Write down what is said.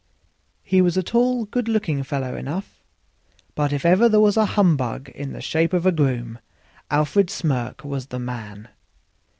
He was a tall, good looking fellow enough; but if ever there was a humbug in the shape of a groom Alfred Smirk was the man.